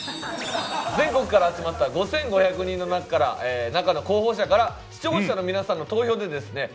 全国から集まった５５００人の中の候補者から視聴者の皆さんの投票でですね